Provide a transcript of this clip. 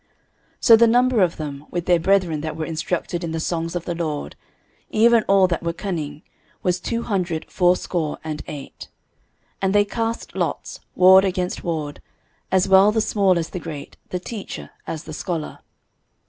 13:025:007 So the number of them, with their brethren that were instructed in the songs of the LORD, even all that were cunning, was two hundred fourscore and eight. 13:025:008 And they cast lots, ward against ward, as well the small as the great, the teacher as the scholar.